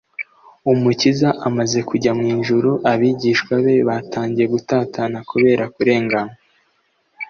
Umukiza amaze kujya mw’ijuru, abigishwa be batangiye gutatana kubera kurenganywa,